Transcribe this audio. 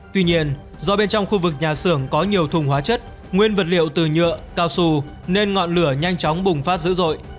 tuy nhiên do bên trong khu vực nhà xưởng có nhiều thùng hóa chất nguyên vật liệu từ nhựa cao su nên ngọn lửa nhanh chóng bùng phát dữ dội